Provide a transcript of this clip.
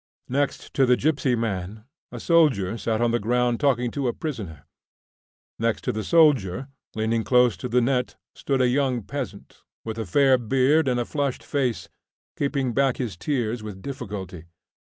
Next the gipsy man, a soldier sat on the ground talking to prisoner; next the soldier, leaning close to the net, stood a young peasant, with a fair beard and a flushed face, keeping back his tears with difficulty.